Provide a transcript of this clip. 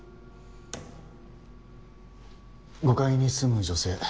５階に住む女性